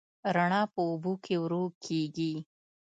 رڼا په اوبو کې ورو کېږي.